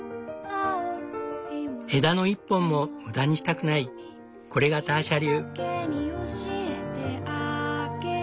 枝の一本も無駄にしたくないこれがターシャ流。